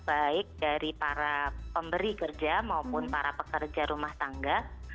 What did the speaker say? baik dari para pemberi kerja maupun para pekerja rumah tangga